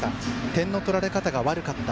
点の取られ方が悪かった。